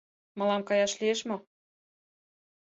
— Мылам каяш лиеш мо?